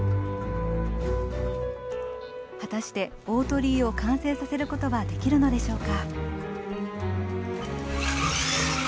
果たして大鳥居を完成させることはできるのでしょうか？